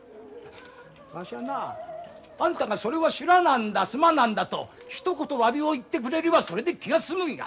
わしはなあんたがそれは知らなんだすまなんだとひと言わびを言ってくれればそれで気が済むんや。